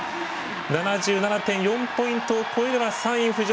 ７７．４ポイントを超えれば３位浮上。